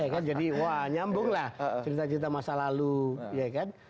ya kan jadi wah nyambung lah cerita cerita masa lalu ya kan